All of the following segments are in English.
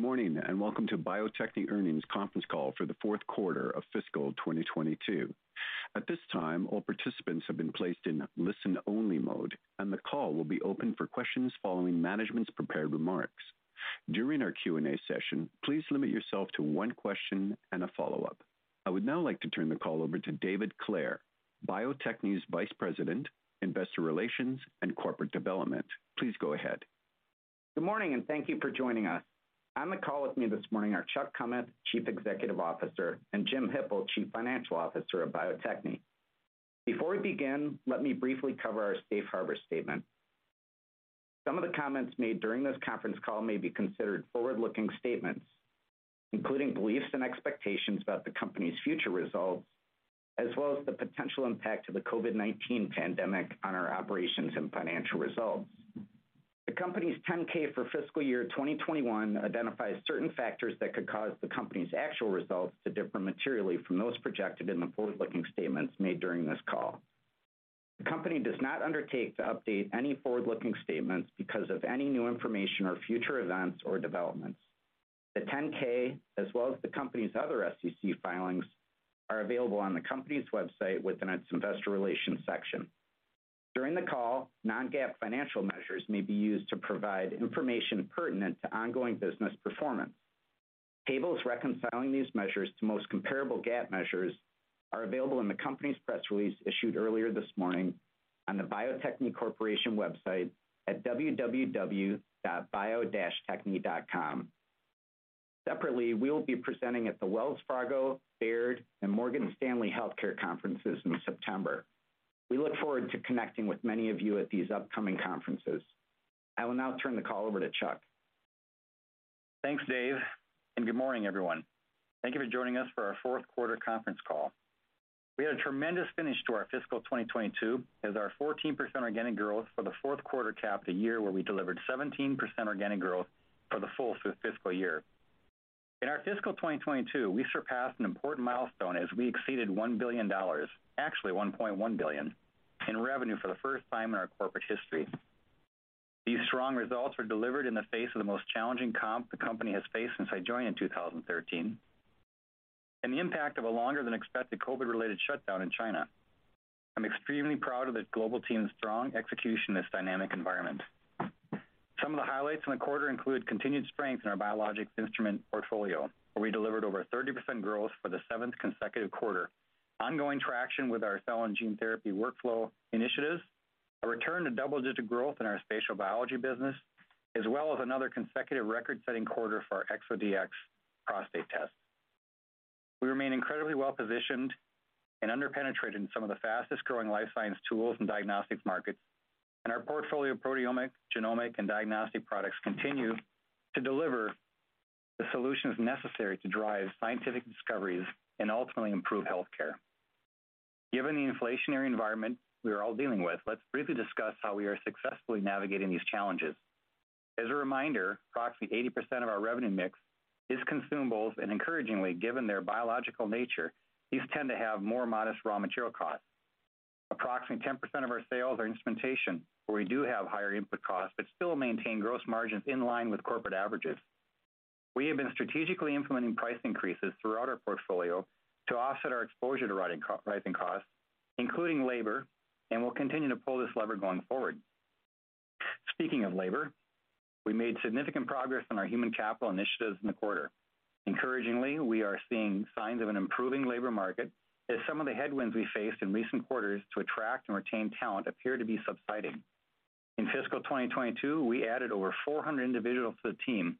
Good morning, and welcome to Bio-Techne earnings conference call for the fourth quarter of fiscal 2022. At this time, all participants have been placed in listen-only mode, and the call will be open for questions following management's prepared remarks. During our Q&A session, please limit yourself to one question and a follow-up. I would now like to turn the call over to David Clair, Bio-Techne's Vice President, Investor Relations and Corporate Development. Please go ahead. Good morning, and thank you for joining us. On the call with me this morning are Chuck Kummeth, Chief Executive Officer, and Jim Hippel, Chief Financial Officer of Bio-Techne. Before we begin, let me briefly cover our safe harbor statement. Some of the comments made during this conference call may be considered forward-looking statements, including beliefs and expectations about the company's future results, as well as the potential impact of the COVID-19 pandemic on our operations and financial results. The company's 10-K for fiscal year 2021 identifies certain factors that could cause the company's actual results to differ materially from those projected in the forward-looking statements made during this call. The company does not undertake to update any forward-looking statements because of any new information or future events or developments. The 10-K as well as the company's other SEC filings are available on the company's website within its investor relations section. During the call, non-GAAP financial measures may be used to provide information pertinent to ongoing business performance. Tables reconciling these measures to most comparable GAAP measures are available in the company's press release issued earlier this morning on the Bio-Techne Corporation website at www.bio-techne.com. Separately, we will be presenting at the Wells Fargo, Baird, and Morgan Stanley healthcare conferences in September. We look forward to connecting with many of you at these upcoming conferences. I will now turn the call over to Chuck. Thanks, Dave, and good morning, everyone. Thank you for joining us for our fourth quarter conference call. We had a tremendous finish to our fiscal 2022 as our 14% organic growth for the fourth quarter capped a year where we delivered 17% organic growth for the full fiscal year. In our fiscal 2022, we surpassed an important milestone as we exceeded $1 billion, actually $1.1 billion, in revenue for the first time in our corporate history. These strong results were delivered in the face of the most challenging comp the company has faced since I joined in 2013, and the impact of a longer than expected COVID-related shutdown in China. I'm extremely proud of the global team's strong execution in this dynamic environment. Some of the highlights in the quarter include continued strength in our biologics instrument portfolio, where we delivered over 30% growth for the seventh consecutive quarter. Ongoing traction with our cell and gene therapy workflow initiatives, a return to double-digit growth in our spatial biology business, as well as another consecutive record-setting quarter for our ExoDx Prostate test. We remain incredibly well-positioned and under-penetrated in some of the fastest-growing life science tools and diagnostics markets, and our portfolio of proteomic, genomic, and diagnostic products continue to deliver the solutions necessary to drive scientific discoveries and ultimately improve healthcare. Given the inflationary environment we are all dealing with, let's briefly discuss how we are successfully navigating these challenges. As a reminder, approximately 80% of our revenue mix is consumables, and encouragingly, given their biological nature, these tend to have more modest raw material costs. Approximately 10% of our sales are instrumentation, where we do have higher input costs but still maintain gross margins in line with corporate averages. We have been strategically implementing price increases throughout our portfolio to offset our exposure to rising co-rising costs, including labor, and will continue to pull this lever going forward. Speaking of labor, we made significant progress on our human capital initiatives in the quarter. Encouragingly, we are seeing signs of an improving labor market as some of the headwinds we faced in recent quarters to attract and retain talent appear to be subsiding. In fiscal 2022, we added over 400 individuals to the team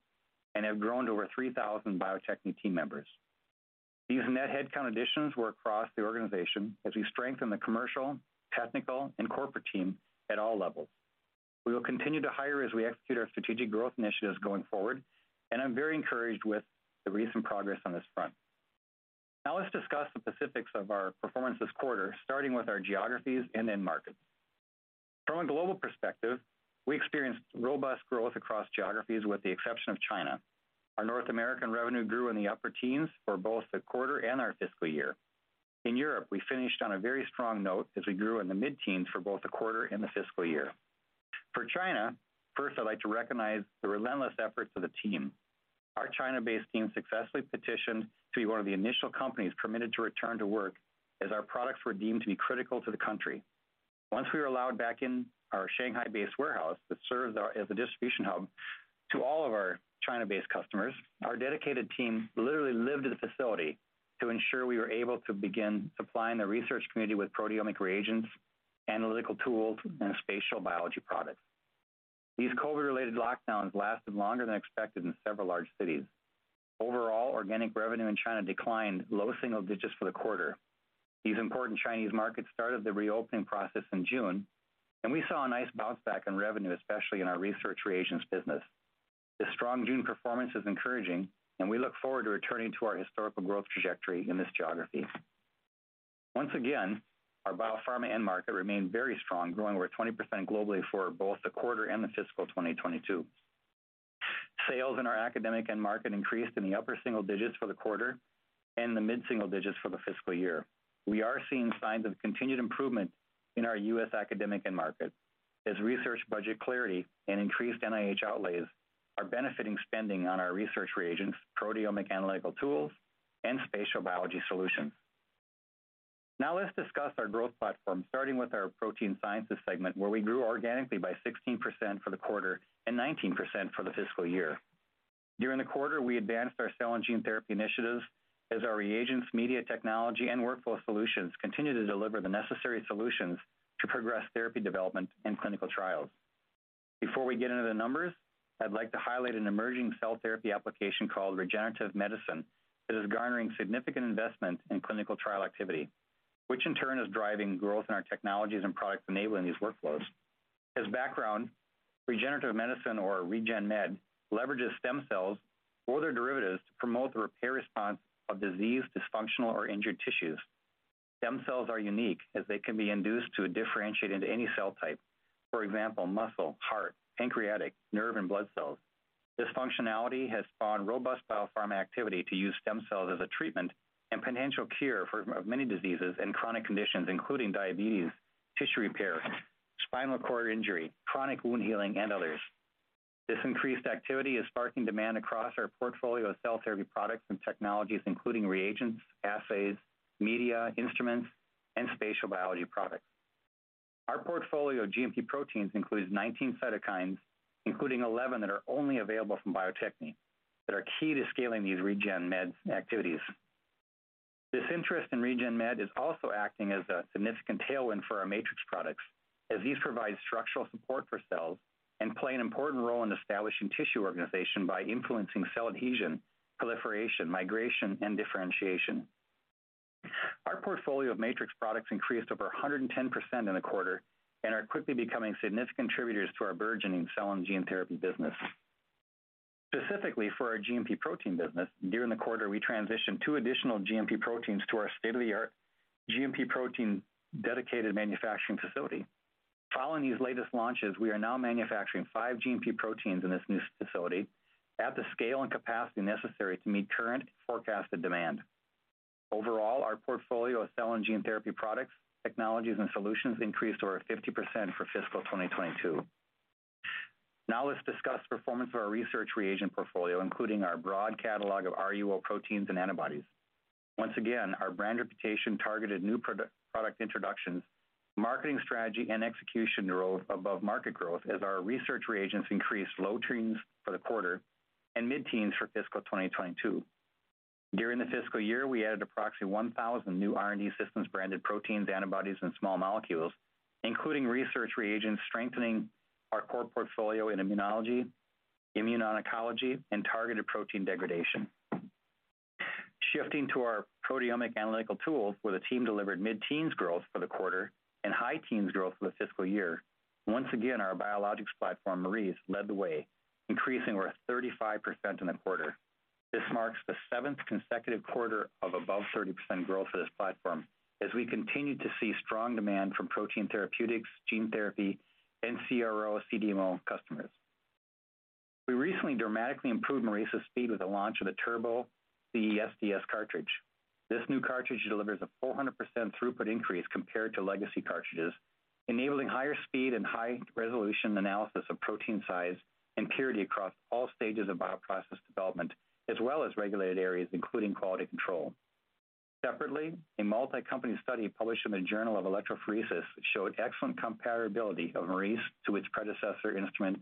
and have grown to over 3,000 Bio-Techne team members. These net headcount additions were across the organization as we strengthen the commercial, technical, and corporate team at all levels. We will continue to hire as we execute our strategic growth initiatives going forward, and I'm very encouraged with the recent progress on this front. Now let's discuss the specifics of our performance this quarter, starting with our geographies and end markets. From a global perspective, we experienced robust growth across geographies with the exception of China. Our North American revenue grew in the upper teens for both the quarter and our fiscal year. In Europe, we finished on a very strong note as we grew in the mid-teens for both the quarter and the fiscal year. For China, first, I'd like to recognize the relentless efforts of the team. Our China-based team successfully petitioned to be one of the initial companies permitted to return to work as our products were deemed to be critical to the country. Once we were allowed back in our Shanghai-based warehouse that serves as a distribution hub to all of our China-based customers, our dedicated team literally lived at the facility to ensure we were able to begin supplying the research community with proteomic reagents, analytical tools, and spatial biology products. These COVID-related lockdowns lasted longer than expected in several large cities. Overall, organic revenue in China declined low single digits for the quarter. These important Chinese markets started the reopening process in June, and we saw a nice bounce back in revenue, especially in our research reagents business. The strong June performance is encouraging, and we look forward to returning to our historical growth trajectory in this geography. Once again, our biopharma end market remained very strong, growing over 20% globally for both the quarter and the fiscal 2022. Sales in our academic end market increased in the upper single digits for the quarter and the mid-single digits for the fiscal year. We are seeing signs of continued improvement in our U.S. academic end market. As research budget clarity and increased NIH outlays are benefiting spending on our research reagents, proteomic analytical tools, and spatial biology solutions. Now let's discuss our growth platform, starting with our protein sciences segment, where we grew organically by 16% for the quarter and 19% for the fiscal year. During the quarter, we advanced our cell and gene therapy initiatives as our reagents, media, technology, and workflow solutions continued to deliver the necessary solutions to progress therapy development and clinical trials. Before we get into the numbers, I'd like to highlight an emerging cell therapy application called regenerative medicine that is garnering significant investment in clinical trial activity, which in turn is driving growth in our technologies and products enabling these workflows. As background, regenerative medicine or Regen Med leverages stem cells or their derivatives to promote the repair response of diseased, dysfunctional or injured tissues. Stem cells are unique as they can be induced to differentiate into any cell type. For example, muscle, heart, pancreatic, nerve and blood cells. This functionality has spawned robust biopharma activity to use stem cells as a treatment and potential cure for a host of many diseases and chronic conditions, including diabetes, tissue repair, spinal cord injury, chronic wound healing, and others. This increased activity is sparking demand across our portfolio of cell therapy products and technologies, including reagents, assays, media, instruments, and spatial biology products. Our portfolio of GMP proteins includes 19 cytokines, including 11 that are only available from Bio-Techne, that are key to scaling these Regen Med activities. This interest in Regen Med is also acting as a significant tailwind for our matrix products as these provide structural support for cells and play an important role in establishing tissue organization by influencing cell adhesion, proliferation, migration, and differentiation. Our portfolio of matrix products increased over 110% in the quarter and are quickly becoming significant contributors to our burgeoning cell and gene therapy business. Specifically for our GMP protein business, during the quarter, we transitioned two additional GMP proteins to our state-of-the-art GMP protein dedicated manufacturing facility. Following these latest launches, we are now manufacturing five GMP proteins in this new facility at the scale and capacity necessary to meet current forecasted demand. Overall, our portfolio of cell and gene therapy products, technologies and solutions increased over 50% for fiscal 2022. Now, let's discuss performance of our research reagent portfolio, including our broad catalog of RUO proteins and antibodies. Once again, our brand reputation targeted new product introductions, marketing strategy, and execution drove above market growth as our research reagents increased low teens for the quarter and mid-teens for fiscal 2022. During the fiscal year, we added approximately 1,000 new R&D Systems branded proteins, antibodies, and small molecules, including research reagents, strengthening our core portfolio in immunology, immuno-oncology and targeted protein degradation. Shifting to our proteomic analytical tools, where the team delivered mid-teens growth for the quarter and high teens growth for the fiscal year. Once again, our biologics platform, Maurice, led the way, increasing over 35% in the quarter. This marks the seventh consecutive quarter of above 30% growth for this platform as we continue to see strong demand from protein therapeutics, gene therapy and CRO/CDMO customers. We recently dramatically improved Maurice's speed with the launch of the Turbo CE-SDS cartridge. This new cartridge delivers a 400% throughput increase compared to legacy cartridges, enabling higher speed and high resolution analysis of protein size and purity across all stages of bioprocess development, as well as regulated areas including quality control. Separately, a multi-company study published in Electrophoresis showed excellent comparability of Maurice to its predecessor instrument,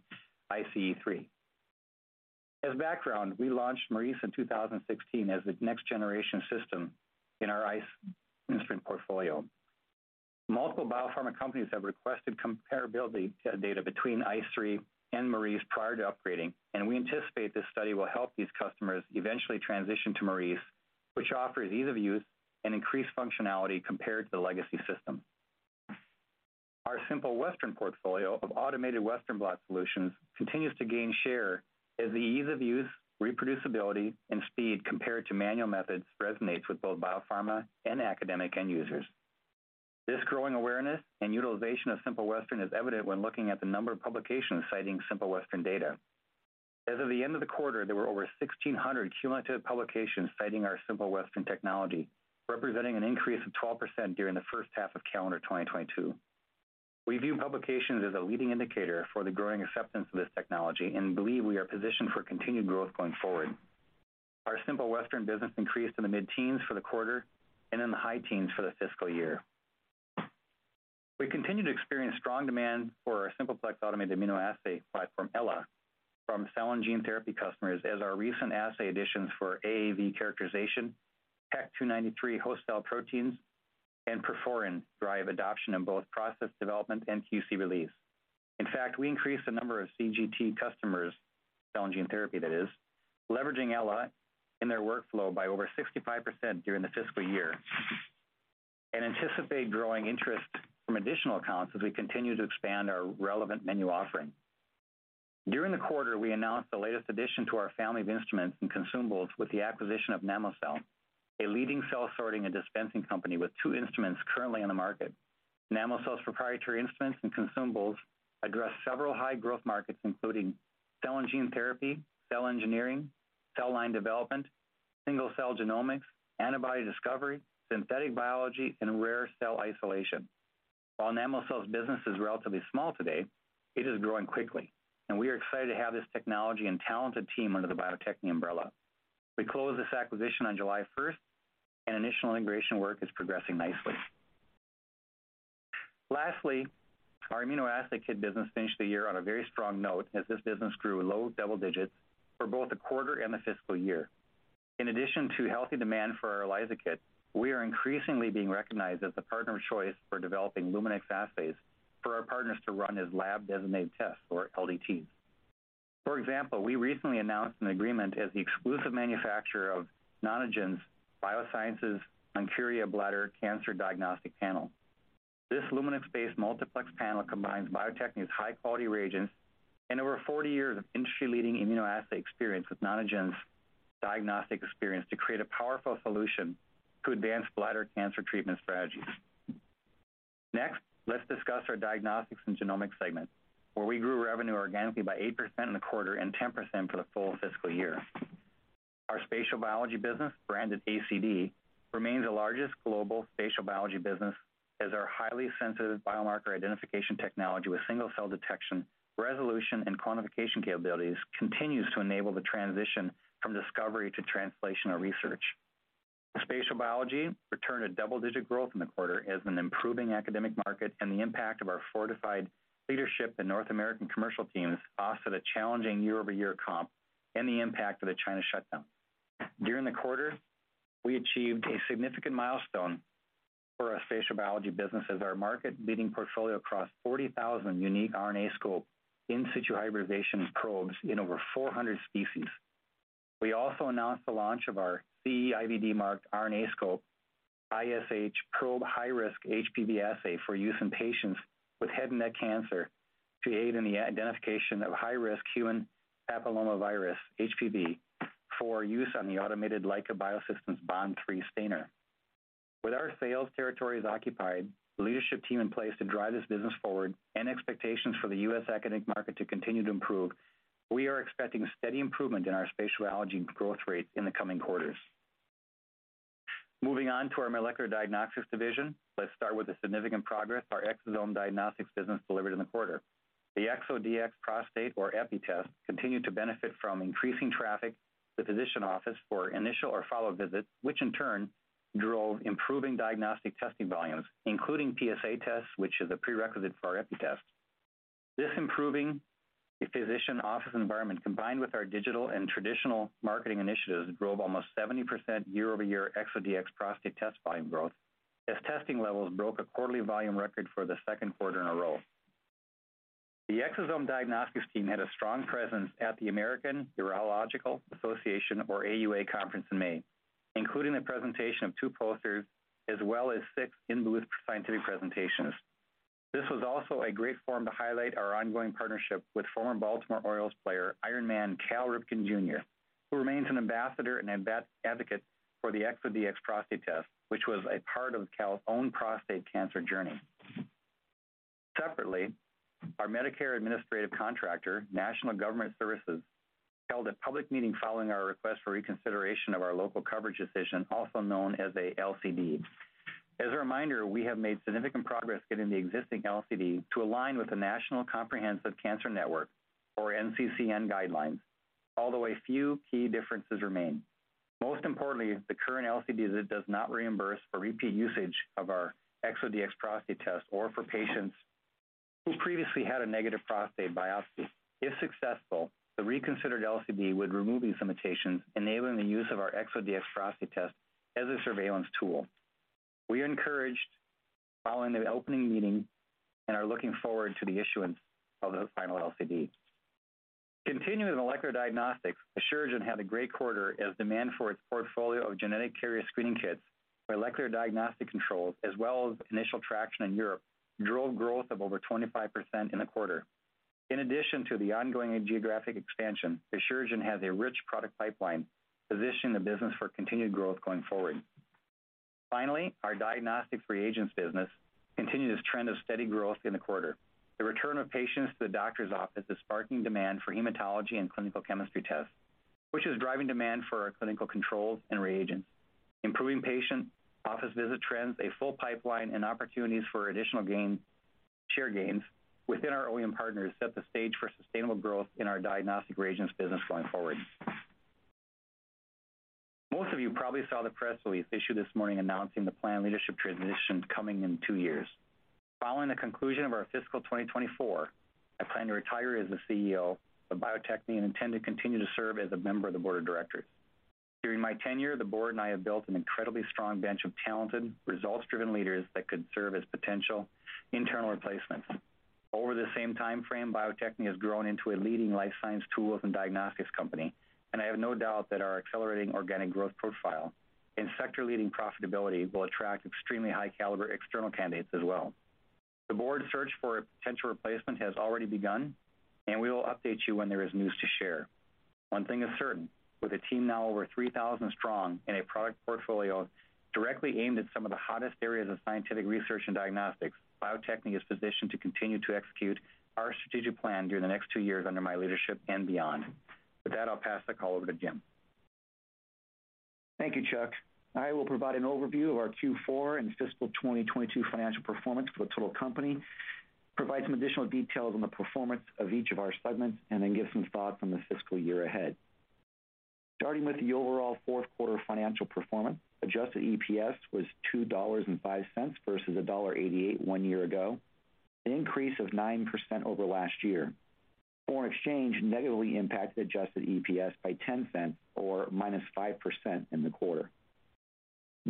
iCE3. As background, we launched Maurice in 2016 as the next generation system in our iCE instrument portfolio. Multiple biopharma companies have requested comparability data between iCE3 and Maurice prior to upgrading, and we anticipate this study will help these customers eventually transition to Maurice, which offers ease of use and increased functionality compared to the legacy system. Our Simple Western portfolio of automated western blot solutions continues to gain share as the ease of use, reproducibility and speed compared to manual methods resonates with both biopharma and academic end users. This growing awareness and utilization of Simple Western is evident when looking at the number of publications citing Simple Western data. As of the end of the quarter, there were over 1,600 cumulative publications citing our Simple Western technology, representing an increase of 12% during the first half of calendar 2022. We view publications as a leading indicator for the growing acceptance of this technology and believe we are positioned for continued growth going forward. Our Simple Western business increased in the mid-teens for the quarter and in the high teens for the fiscal year. We continue to experience strong demand for our Simple Plex automated immunoassay platform, Ella, from cell and gene therapy customers as our recent assay additions for AAV characterization, HEK293 host cell proteins, and perforin drive adoption in both process development and QC release. In fact, we increased the number of CGT customers, cell and gene therapy that is, leveraging Ella in their workflow by over 65% during the fiscal year. Anticipate growing interest from additional accounts as we continue to expand our relevant menu offering. During the quarter, we announced the latest addition to our family of instruments and consumables with the acquisition of Namocell, a leading cell sorting and dispensing company with two instruments currently on the market. Namocell's proprietary instruments and consumables address several high growth markets, including cell and gene therapy, cell engineering, cell line development, single-cell genomics, antibody discovery, synthetic biology, and rare cell isolation. While Namocell's business is relatively small today, it is growing quickly, and we are excited to have this technology and talented team under the Bio-Techne umbrella. We closed this acquisition on July first, and initial integration work is progressing nicely. Lastly, our immunoassay kit business finished the year on a very strong note as this business grew low double digits for both the quarter and the fiscal year. In addition to healthy demand for our ELISA kit, we are increasingly being recognized as the partner of choice for developing Luminex assays for our partners to run as laboratory developed tests or LDTs. For example, we recently announced an agreement as the exclusive manufacturer of Nonagen Bioscience's Oncuria bladder cancer diagnostic panel. This Luminex-based multiplex panel combines Bio-Techne's high-quality reagents and over 40 years of industry-leading immunoassay experience with Nonagen Bioscience's diagnostic experience to create a powerful solution to advance bladder cancer treatment strategies. Next, let's discuss our diagnostics and genomics segment, where we grew revenue organically by 8% in the quarter and 10% for the full fiscal year. Our spatial biology business, branded ACD, remains the largest global spatial biology business as our highly sensitive biomarker identification technology with single-cell detection, resolution, and quantification capabilities continues to enable the transition from discovery to translational research. The spatial biology returned a double-digit growth in the quarter as an improving academic market and the impact of our fortified leadership and North American commercial teams offset a challenging year-over-year comp and the impact of the China shutdown. During the quarter, we achieved a significant milestone for our spatial biology business as our market-leading portfolio crossed 40,000 unique RNAscope in situ hybridization probes in over 400 species. We also announced the launch of our CE IVD marked RNAscope ISH probe high-risk HPV assay for use in patients with head and neck cancer to aid in the identification of high-risk human papillomavirus, HPV, for use on the automated Leica Biosystems BOND-MAX stainer. With our sales territories occupied, leadership team in place to drive this business forward, and expectations for the US academic market to continue to improve, we are expecting steady improvement in our spatial biology growth rate in the coming quarters. Moving on to our molecular diagnostics division, let's start with the significant progress our Exosome Diagnostics business delivered in the quarter. The ExoDx Prostate or EPI test continued to benefit from increasing traffic to the physician office for initial or follow-up visits, which in turn drove improving diagnostic testing volumes, including PSA tests, which is a prerequisite for our EPI test. This improving physician office environment, combined with our digital and traditional marketing initiatives, drove almost 70% year-over-year ExoDx Prostate test volume growth as testing levels broke a quarterly volume record for the second quarter in a row. The Exosome Diagnostics team had a strong presence at the American Urological Association, or AUA conference in May, including the presentation of two posters as well as six in booth scientific presentations. This was also a great forum to highlight our ongoing partnership with former Baltimore Orioles player, Iron Man Cal Ripken Jr., who remains an ambassador and advocate for the ExoDx Prostate Test, which was a part of Cal's own prostate cancer journey. Separately, our Medicare administrative contractor, National Government Services, held a public meeting following our request for reconsideration of our local coverage decision, also known as a LCD. As a reminder, we have made significant progress getting the existing LCD to align with the National Comprehensive Cancer Network, or NCCN guidelines, although a few key differences remain. Most importantly, the current LCD that does not reimburse for repeat usage of our ExoDx Prostate Test or for patients who previously had a negative prostate biopsy. If successful, the reconsidered LCD would remove these limitations, enabling the use of our ExoDx Prostate Test as a surveillance tool. We are encouraged following the opening meeting and are looking forward to the issuance of the final LCD. Continuing with molecular diagnostics, Asuragen had a great quarter as demand for its portfolio of genetic carrier screening kits for molecular diagnostic controls, as well as initial traction in Europe, drove growth of over 25% in the quarter. In addition to the ongoing geographic expansion, Asuragen has a rich product pipeline, positioning the business for continued growth going forward. Finally, our diagnostic reagents business continued its trend of steady growth in the quarter. The return of patients to the doctor's office is sparking demand for hematology and clinical chemistry tests, which is driving demand for our clinical controls and reagents. Improving patient office visit trends, a full pipeline and opportunities for additional gain-share gains within our OEM partners set the stage for sustainable growth in our diagnostic reagents business going forward. Most of you probably saw the press release issued this morning announcing the planned leadership transition coming in two years. Following the conclusion of our fiscal 2024, I plan to retire as the CEO of Bio-Techne and intend to continue to serve as a member of the board of directors. During my tenure, the board and I have built an incredibly strong bench of talented, results-driven leaders that could serve as potential internal replacements. Over the same timeframe, Bio-Techne has grown into a leading life science tools and diagnostics company, and I have no doubt that our accelerating organic growth profile and sector-leading profitability will attract extremely high caliber external candidates as well. The board search for a potential replacement has already begun, and we will update you when there is news to share. One thing is certain, with a team now over 3,000 strong in a product portfolio directly aimed at some of the hottest areas of scientific research and diagnostics, Bio-Techne is positioned to continue to execute our strategic plan during the next two years under my leadership and beyond. With that, I'll pass the call over to Jim. Thank you, Chuck. I will provide an overview of our Q4 and fiscal 2022 financial performance for the total company, provide some additional details on the performance of each of our segments, and then give some thoughts on the fiscal year ahead. Starting with the overall fourth quarter financial performance, adjusted EPS was $2.05 versus $1.88 one year ago, an increase of 9% over last year. Foreign exchange negatively impacted adjusted EPS by 10 cents or -5% in the quarter.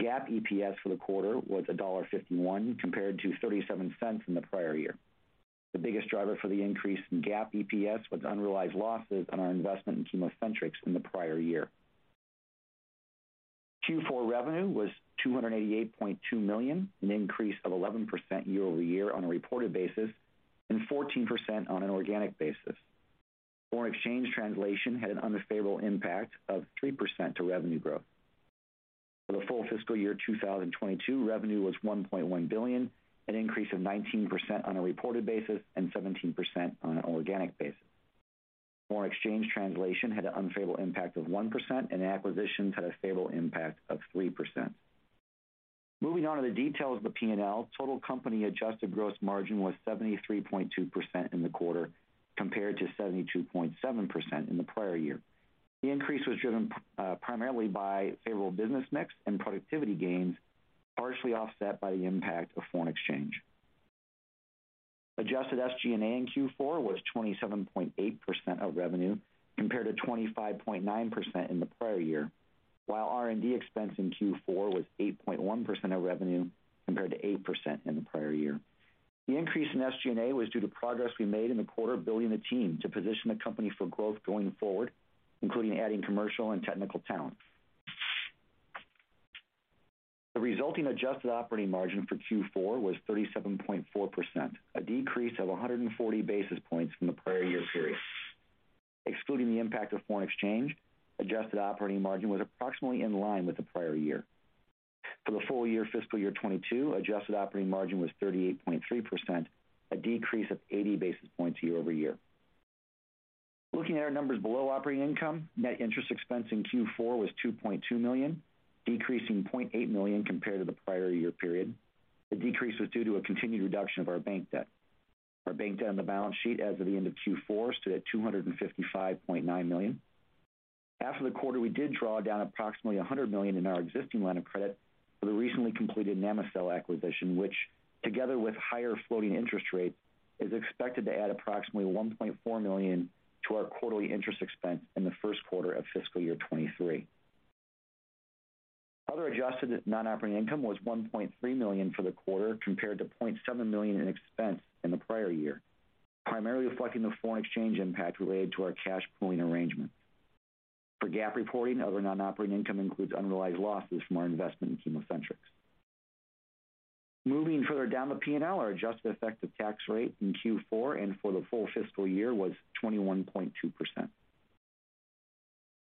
GAAP EPS for the quarter was $1.51, compared to 37 cents in the prior year. The biggest driver for the increase in GAAP EPS was unrealized losses on our investment in ChemoCentryx in the prior year. Q4 revenue was $288.2 million, an increase of 11% year-over-year on a reported basis, and 14% on an organic basis. Foreign exchange translation had an unfavorable impact of 3% to revenue growth. For the full fiscal year 2022, revenue was $1.1 billion, an increase of 19% on a reported basis and 17% on an organic basis. Foreign exchange translation had an unfavorable impact of 1% and acquisitions had a favorable impact of 3%. Moving on to the details of the P&L, total company adjusted gross margin was 73.2% in the quarter compared to 72.7% in the prior year. The increase was driven primarily by favorable business mix and productivity gains, partially offset by the impact of foreign exchange. Adjusted SG&A in Q4 was 27.8% of revenue compared to 25.9% in the prior year, while R&D expense in Q4 was 8.1% of revenue compared to 8% in the prior year. The increase in SG&A was due to progress we made in the quarter of building the team to position the company for growth going forward, including adding commercial and technical talent. The resulting adjusted operating margin for Q4 was 37.4%, a decrease of 140 basis points from the prior year period. Excluding the impact of foreign exchange, adjusted operating margin was approximately in line with the prior year. For the full year fiscal year 2022, adjusted operating margin was 38.3%, a decrease of 80 basis points year over year. Looking at our numbers below operating income, net interest expense in Q4 was $2.2 million, decreasing $0.8 million compared to the prior year period. The decrease was due to a continued reduction of our bank debt. Our bank debt on the balance sheet as of the end of Q4 stood at $255.9 million. After the quarter, we did draw down approximately $100 million in our existing line of credit for the recently completed Namocell acquisition, which together with higher floating interest rates, is expected to add approximately $1.4 million to our quarterly interest expense in the first quarter of fiscal year 2023. Other adjusted non-operating income was $1.3 million for the quarter compared to $0.7 million in expense in the prior year, primarily reflecting the foreign exchange impact related to our cash pooling arrangement. For GAAP reporting, other non-operating income includes unrealized losses from our investment in ChemoCentryx. Moving further down the P&L, our adjusted effective tax rate in Q4 and for the full fiscal year was 21.2%.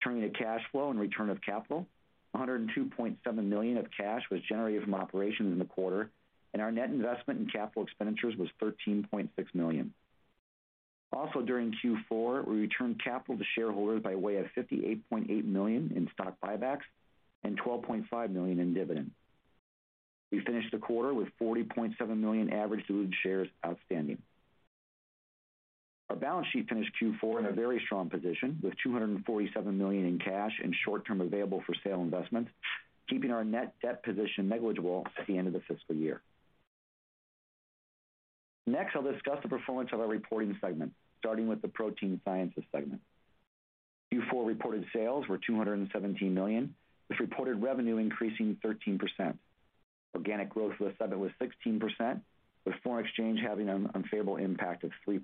Turning to cash flow and return of capital, $102.7 million of cash was generated from operations in the quarter, and our net investment in capital expenditures was $13.6 million. Also during Q4, we returned capital to shareholders by way of $58.8 million in stock buybacks and $12.5 million in dividend. We finished the quarter with $40.7 million average diluted shares outstanding. Our balance sheet finished Q4 in a very strong position with $247 million in cash and short-term available for sale investments, keeping our net debt position negligible at the end of the fiscal year. Next, I'll discuss the performance of our reporting segment, starting with the Protein Sciences segment. Q4 reported sales were $217 million, with reported revenue increasing 13%. Organic growth for the segment was 16%, with foreign exchange having an unfavorable impact of 3%.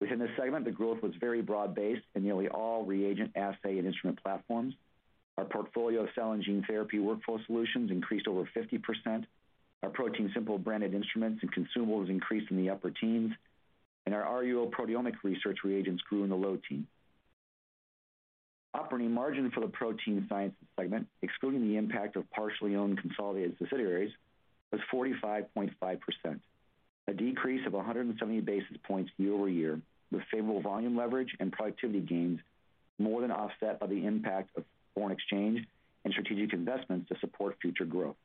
Within this segment, the growth was very broad-based in nearly all reagent, assay, and instrument platforms. Our portfolio of cell and gene therapy workflow solutions increased over 50%. Our ProteinSimple branded instruments and consumables increased in the upper teens, and our RUO proteomics research reagents grew in the low teens. Operating margin for the Protein Sciences segment, excluding the impact of partially owned consolidated subsidiaries, was 45.5%, a decrease of 170 basis points year-over-year, with favorable volume leverage and productivity gains more than offset by the impact of foreign exchange and strategic investments to support future growth.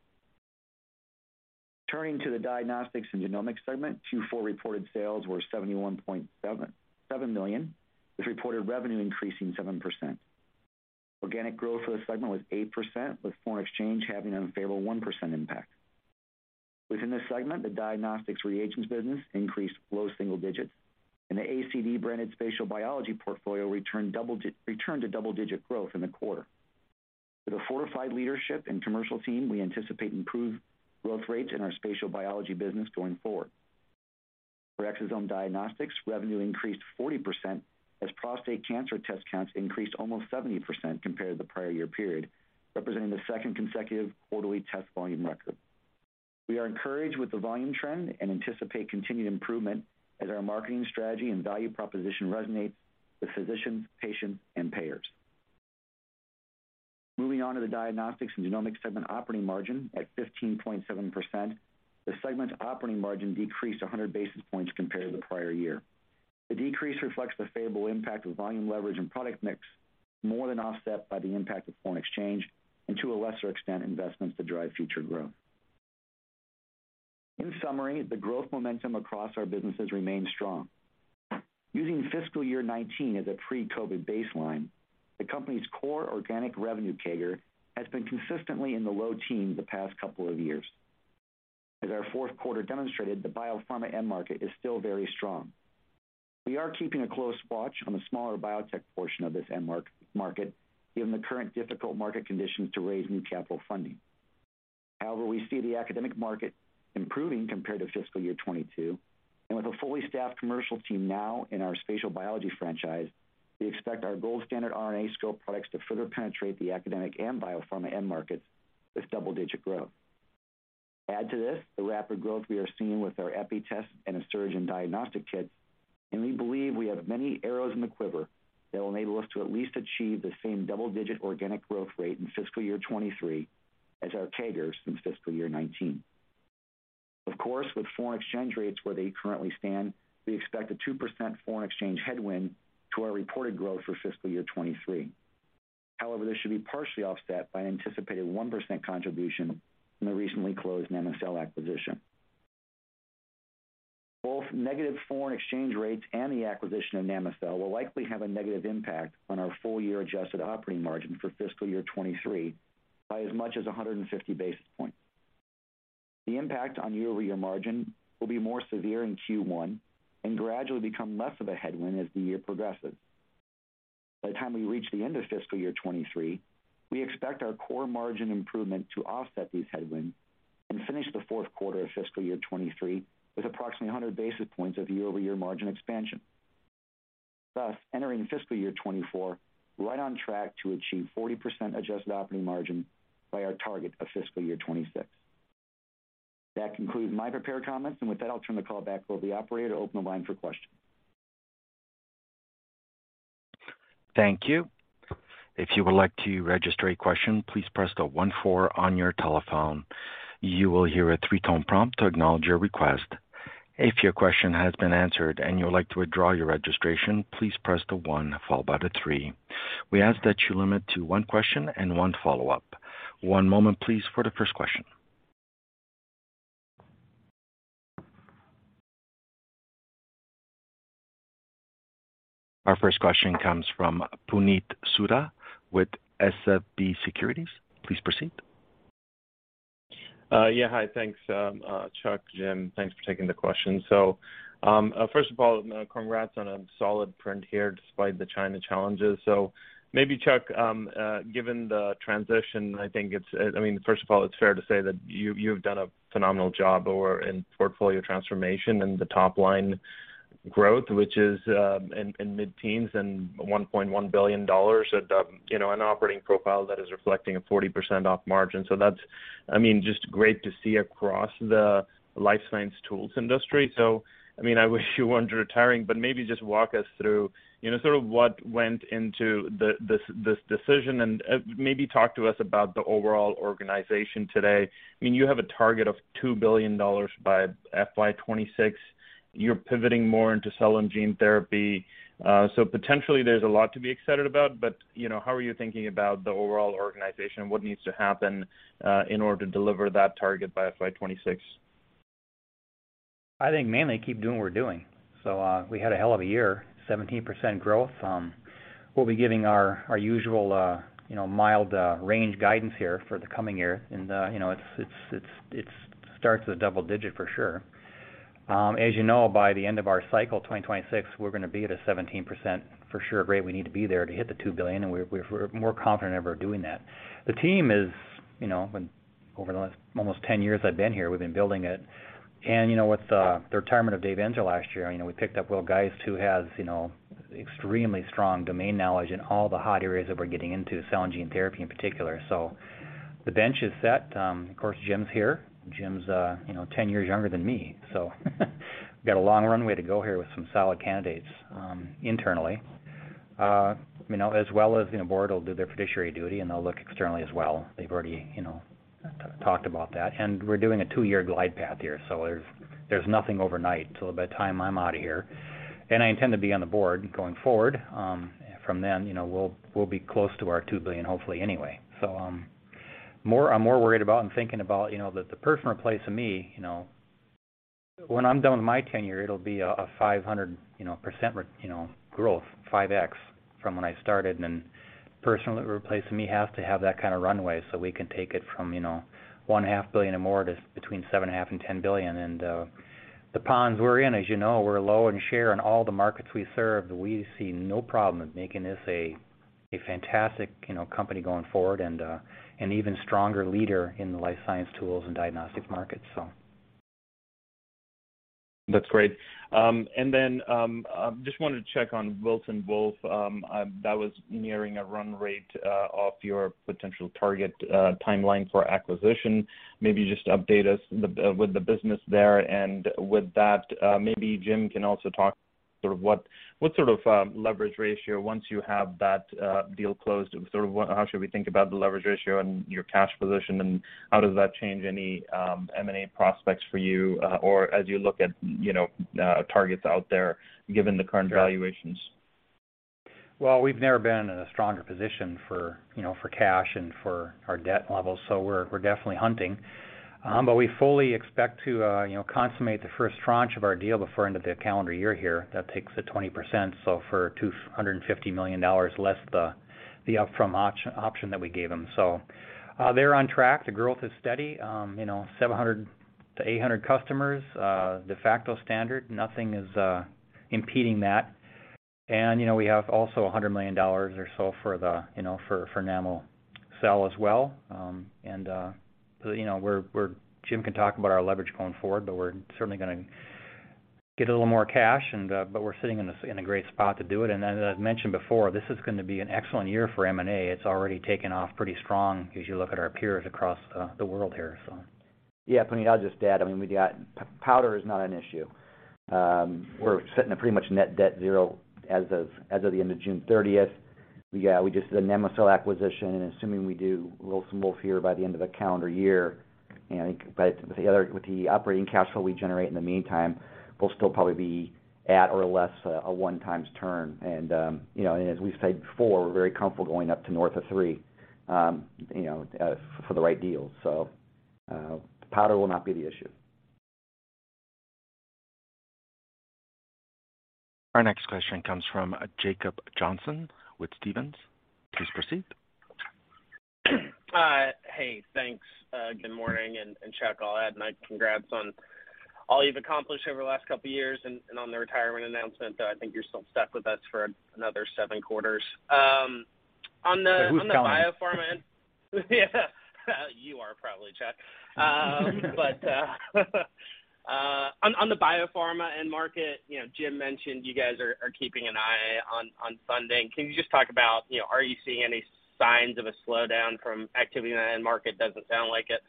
Turning to the Diagnostics and Genomics segment, Q4 reported sales were $71.77 million, with reported revenue increasing 7%. Organic growth for the segment was 8%, with foreign exchange having an unfavorable 1% impact. Within this segment, the diagnostics reagents business increased low single digits, and the ACD-branded spatial biology portfolio returned to double-digit growth in the quarter. With a fortified leadership and commercial team, we anticipate improved growth rates in our spatial biology business going forward. For Exosome Diagnostics, revenue increased 40% as prostate cancer test counts increased almost 70% compared to the prior year period, representing the second consecutive quarterly test volume record. We are encouraged with the volume trend and anticipate continued improvement as our marketing strategy and value proposition resonates with physicians, patients, and payers. Moving on to the diagnostics and genomics segment operating margin at 15.7%. The segment's operating margin decreased 100 basis points compared to the prior year. The decrease reflects the favorable impact of volume leverage and product mix, more than offset by the impact of foreign exchange and, to a lesser extent, investments to drive future growth. In summary, the growth momentum across our businesses remains strong. Using fiscal year 2019 as a pre-COVID baseline, the company's core organic revenue CAGR has been consistently in the low teens the past couple of years. As our fourth quarter demonstrated, the biopharma end market is still very strong. We are keeping a close watch on the smaller biotech portion of this end market, given the current difficult market conditions to raise new capital funding. However, we see the academic market improving compared to fiscal year 2022, and with a fully staffed commercial team now in our spatial biology franchise, we expect our gold standard RNAscope products to further penetrate the academic and biopharma end markets with double-digit growth. Add to this the rapid growth we are seeing with our EPI test and Asuragen diagnostic kits, and we believe we have many arrows in the quiver that will enable us to at least achieve the same double-digit organic growth rate in fiscal year 2023 as our CAGRs since fiscal year 2019. Of course, with foreign exchange rates where they currently stand, we expect a 2% foreign exchange headwind to our reported growth for fiscal year 2023. However, this should be partially offset by an anticipated 1% contribution from the recently closed Namocell acquisition. Both negative foreign exchange rates and the acquisition of Namocell will likely have a negative impact on our full year adjusted operating margin for fiscal year 2023 by as much as 150 basis points. The impact on year-over-year margin will be more severe in Q1 and gradually become less of a headwind as the year progresses. By the time we reach the end of fiscal year 2023, we expect our core margin improvement to offset these headwinds and finish the fourth quarter of fiscal year 2023 with approximately 100 basis points of year-over-year margin expansion. Thus, entering fiscal year 2024, right on track to achieve 40% adjusted operating margin by our target of fiscal year 2026. That concludes my prepared comments. With that, I'll turn the call back over to the operator to open the line for questions. Thank you. If you would like to register a question, please press the one four on your telephone. You will hear a three-tone prompt to acknowledge your request. If your question has been answered and you would like to withdraw your registration, please press the one followed by the three. We ask that you limit to one question and one follow-up. One moment, please, for the first question. Our first question comes from Puneet Souda with SVB Securities. Please proceed. Yeah. Hi. Thanks, Chuck, Jim, thanks for taking the question. First of all, congrats on a solid print here despite the China challenges. Maybe, Chuck, given the transition, I think it's, I mean, first of all, it's fair to say that you've done a phenomenal job over in portfolio transformation and the top-line growth, which is in mid-teens and $1.1 billion at, you know, an operating profile that is reflecting a 40% op margin. That's, I mean, just great to see across the life science tools industry. I mean, I wish you weren't retiring, but maybe just walk us through, you know, sort of what went into this decision and maybe talk to us about the overall organization today. I mean, you have a target of $2 billion by FY 2026. You're pivoting more into cell and gene therapy. Potentially there's a lot to be excited about. You know, how are you thinking about the overall organization and what needs to happen in order to deliver that target by FY 2026? I think mainly, keep doing what we're doing. We had a hell of a year, 17% growth. We'll be giving our usual, you know, mild range guidance here for the coming year. You know, it starts with double-digit for sure. As you know, by the end of our cycle, 2026, we're gonna be at a 17% for sure rate we need to be there to hit the $2 billion, and we're more confident than ever doing that. The team is, you know, over the last almost 10 years I've been here, we've been building it. You know, with the retirement of David Eansor last year, you know, we picked up Will Geist, who has, you know, extremely strong domain knowledge in all the hot areas that we're getting into, cell and gene therapy in particular. So the bench is set. Of course, Jim's here. Jim's, you know, 10 years younger than me, so we've got a long runway to go here with some solid candidates internally. You know, as well as the board will do their fiduciary duty, and they'll look externally as well. They've already, you know, talked about that. We're doing a two-year glide path here, so there's nothing overnight till by the time I'm out of here. I intend to be on the board going forward, from then, you know, we'll be close to our $2 billion, hopefully, anyway. I'm more worried about and thinking about, you know, the person replacing me, you know, when I'm done with my tenure, it'll be a 500% growth, 5x from when I started. Personally replacing me has to have that kind of runway so we can take it from, you know, one half billion or more to between $7.5 billion and $10 billion. The ponds we're in, as you know, we're low in share in all the markets we serve. We see no problem with making this a fantastic, you know, company going forward and an even stronger leader in the life science tools and diagnostic markets. That's great. Just wanted to check on Wilson Wolf that was nearing a run rate of your potential target timeline for acquisition. Maybe just update us with the business there. With that, maybe Jim can also talk sort of what sort of leverage ratio once you have that deal closed, sort of, how should we think about the leverage ratio and your cash position, and how does that change any M&A prospects for you, or as you look at, you know, targets out there given the current valuations? Well, we've never been in a stronger position for, you know, for cash and for our debt levels, so we're definitely hunting. We fully expect to, you know, consummate the first tranche of our deal before end of the calendar year here. That takes it 20%. For $250 million less the upfront option that we gave them. They're on track. The growth is steady. You know, 700-800 customers, de facto standard, nothing is impeding that. You know, we have also $100 million or so for the, you know, for Namocell as well. You know, we're Jim can talk about our leverage going forward, but we're certainly gonna get a little more cash, but we're sitting in a great spot to do it. As I've mentioned before, this is gonna be an excellent year for M&A. It's already taken off pretty strong as you look at our peers across the world here so. Yeah. Puneet, I'll just add, I mean, powder is not an issue. We're sitting at pretty much net debt zero as of the end of June 30th. We just did a Namocell acquisition, and assuming we do Wilson Wolf here by the end of the calendar year, but with the operating cash flow we generate in the meantime, we'll still probably be at or less a 1x turn. And as we've said before, we're very comfortable going up to north of three for the right deal. Powder will not be the issue. Our next question comes from Jacob Johnson with Stephens. Please proceed. Hey, thanks. Good morning. Chuck, I'll add my congrats on all you've accomplished over the last couple of years and on the retirement announcement, though I think you're still stuck with us for another seven quarters. On the- Who's counting? You are probably, Chuck. On the biopharma end market, you know, Jim mentioned you guys are keeping an eye on funding. Can you just talk about, you know, are you seeing any signs of a slowdown from activity in the end market? Doesn't sound like it,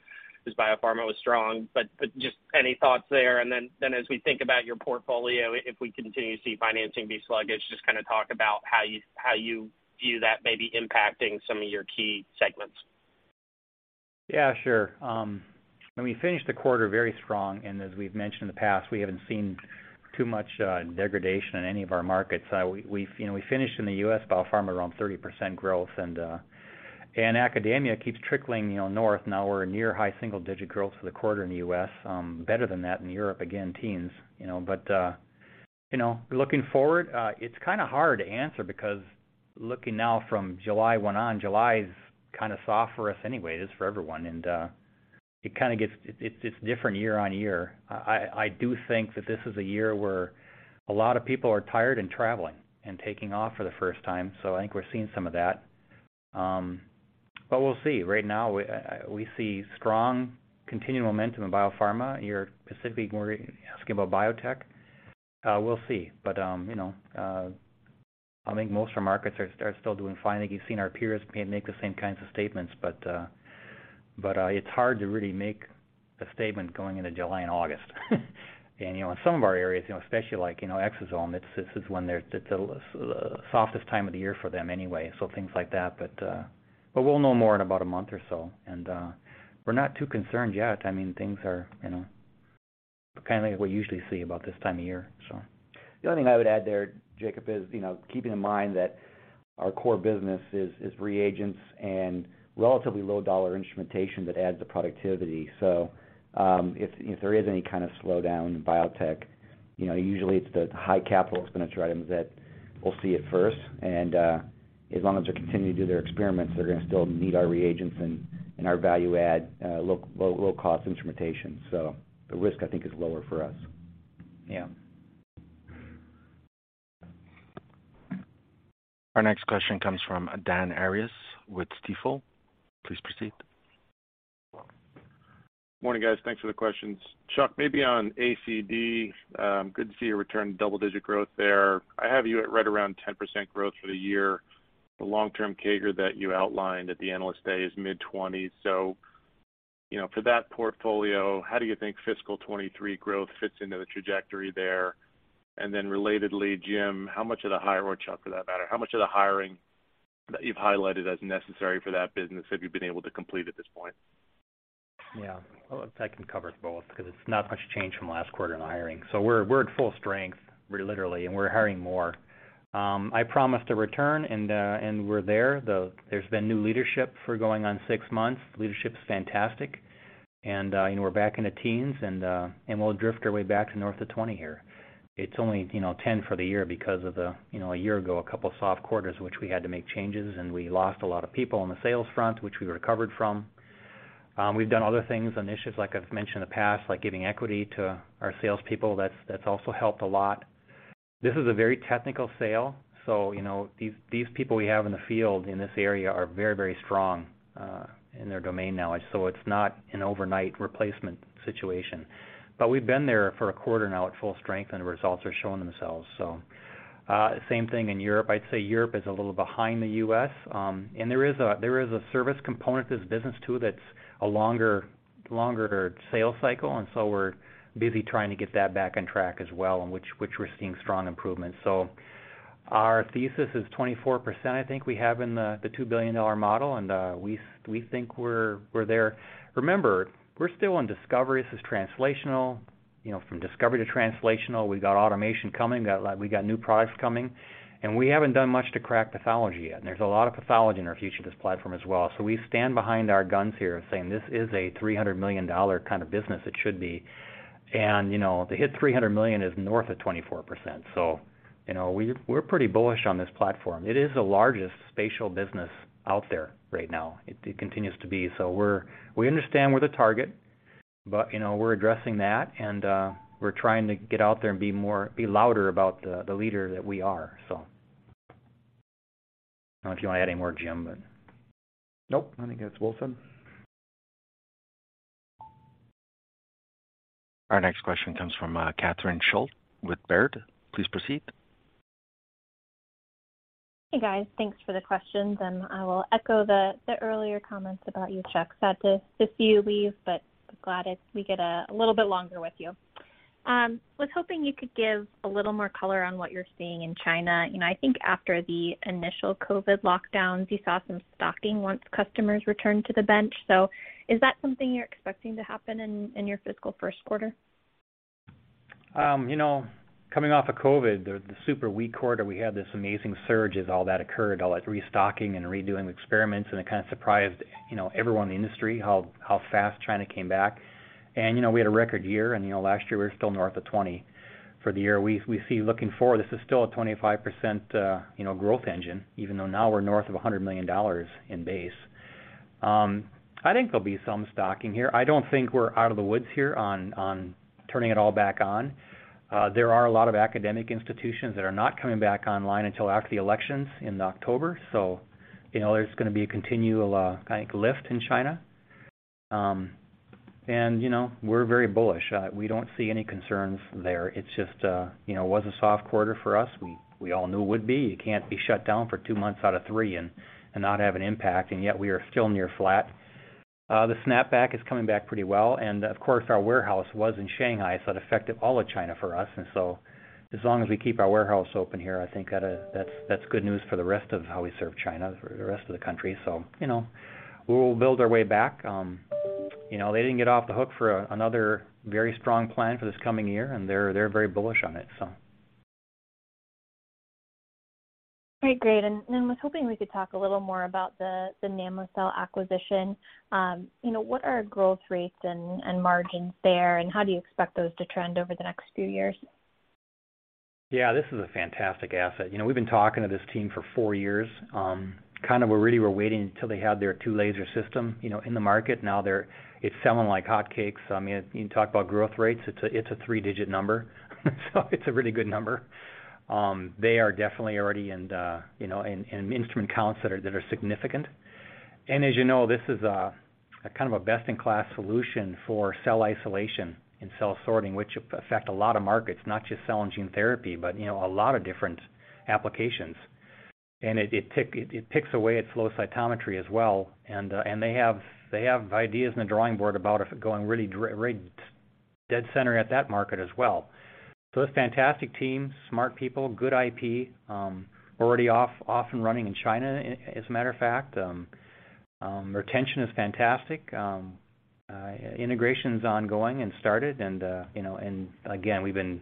'cause biopharma was strong. Just any thoughts there. As we think about your portfolio, if we continue to see financing be sluggish, just kinda talk about how you view that maybe impacting some of your key segments. Yeah, sure. We finished the quarter very strong, and as we've mentioned in the past, we haven't seen too much degradation in any of our markets. You know, we finished in the U.S. biopharma around 30% growth. Academia keeps trickling, you know, north. Now we're near high single digit growth for the quarter in the U.S., better than that in Europe, again, teens. You know, but you know, looking forward, it's kinda hard to answer because looking now from July went on. July is kinda soft for us anyway. It is for everyone. It's different year-on-year. I do think that this is a year where a lot of people are tired and traveling and taking off for the first time. I think we're seeing some of that. We'll see. Right now, we see strong continuing momentum in biopharma. You're specifically more asking about biotech. We'll see. You know, I think most of our markets are still doing fine. I think you've seen our peers make the same kinds of statements. It's hard to really make a statement going into July and August. You know, in some of our areas, you know, especially like, you know, exosome, this is the softest time of the year for them anyway, so things like that. We'll know more in about a month or so. We're not too concerned yet. I mean, things are, you know, kinda like what we usually see about this time of year so. The only thing I would add there, Jacob, is, you know, keeping in mind that our core business is reagents and relatively low dollar instrumentation that adds the productivity. If there is any kind of slowdown in biotech, you know, usually it's the high capital expenditure items that we'll see it first. As long as they continue to do their experiments, they're gonna still need our reagents and our value add low cost instrumentation. The risk, I think, is lower for us. Yeah. Our next question comes from Dan Arias with Stifel. Please proceed. Morning, guys. Thanks for the questions. Chuck, maybe on ACD, good to see a return to double-digit growth there. I have you at right around 10% growth for the year. The long-term CAGR that you outlined at the Analyst Day is mid-20s. You know, for that portfolio, how do you think fiscal 2023 growth fits into the trajectory there? And then relatedly, Jim, how much of the hire, or Chuck for that matter, how much of the hiring that you've highlighted as necessary for that business have you been able to complete at this point? Well, I can cover both 'cause it's not much change from last quarter in the hiring. We're at full strength, we're literally, and we're hiring more. I promised a return, and we're there. There's been new leadership for going on six months. Leadership is fantastic. You know, we're back in the teens, and we'll drift our way back to north of 20 here. It's only 10 for the year because of a year ago, a couple soft quarters, which we had to make changes, and we lost a lot of people on the sales front, which we recovered from. We've done other things on issues like I've mentioned in the past, like giving equity to our salespeople. That's also helped a lot. This is a very technical sale, so, you know, these people we have in the field in this area are very strong in their domain knowledge. It's not an overnight replacement situation. We've been there for a quarter now at full strength, and the results are showing themselves. Same thing in Europe. I'd say Europe is a little behind the U.S., and there is a service component to this business too that's a longer sales cycle, and so we're busy trying to get that back on track as well, and which we're seeing strong improvements. Our thesis is 24% I think we have in the $2 billion model, and we think we're there. Remember, we're still in discovery. This is translational, you know, from discovery to translational. We've got automation coming. We got, like, new products coming, and we haven't done much to crack pathology yet, and there's a lot of pathology in our future of this platform as well. We stand behind our guns here saying this is a $300 million kind of business it should be. You know, to hit $300 million is north of 24%. You know, we're pretty bullish on this platform. It is the largest spatial business out there right now. It continues to be. We're we understand we're the target, but, you know, we're addressing that and we're trying to get out there and be louder about the leader that we are so. I don't know if you want to add any more, Jim, but. Nope, I think that's well said. Our next question comes from Catherine Schulte with Baird. Please proceed. Hey, guys. Thanks for the questions, and I will echo the earlier comments about you, Chuck. Sad to see you leave, but glad we get a little bit longer with you. Was hoping you could give a little more color on what you're seeing in China. You know, I think after the initial COVID lockdowns, you saw some stocking once customers returned to the bench. Is that something you're expecting to happen in your fiscal first quarter? You know, coming off of COVID, the super weak quarter, we had this amazing surge as all that occurred, all that restocking and redoing experiments, and it kind of surprised, you know, everyone in the industry how fast China came back. You know, we had a record year, and, you know, last year we were still north of 20 for the year. We see looking forward, this is still a 25%, you know, growth engine, even though now we're north of $100 million in base. I think there'll be some stocking here. I don't think we're out of the woods here on turning it all back on. There are a lot of academic institutions that are not coming back online until after the elections in October. You know, there's going to be a continual, I think, lift in China. You know, we're very bullish. We don't see any concerns there. It's just, you know, it was a soft quarter for us. We all knew it would be. You can't be shut down for two months out of three and not have an impact, and yet we are still near flat. The snapback is coming back pretty well. Of course, our warehouse was in Shanghai, so it affected all of China for us. As long as we keep our warehouse open here, I think that's good news for the rest of how we serve China for the rest of the country. You know, we'll build our way back. You know, they didn't get off the hook for another very strong plan for this coming year, and they're very bullish on it. Okay, great. I was hoping we could talk a little more about the Namocell acquisition. You know, what are growth rates and margins there, and how do you expect those to trend over the next few years? Yeah, this is a fantastic asset. You know, we've been talking to this team for four years. Kind of we really were waiting until they had their two laser system, you know, in the market. Now it's selling like hotcakes. I mean, you talk about growth rates, it's a three-digit number, so it's a really good number. They are definitely already in, you know, in instrument counts that are significant. As you know, this is a kind of best-in-class solution for cell isolation and cell sorting, which affect a lot of markets, not just cell and gene therapy, but, you know, a lot of different applications. It picks away at flow cytometry as well. They have ideas on the drawing board about it going really right dead center at that market as well. It's a fantastic team, smart people, good IP, already off and running in China as a matter of fact. Retention is fantastic. Integration's ongoing and started, you know, and again, we've been